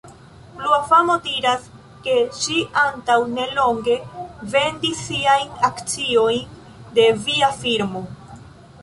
Plua famo diras, ke ŝi antaŭ nelonge vendis siajn akciojn de via firmo.